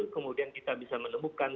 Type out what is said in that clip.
kemudian kita bisa menemukan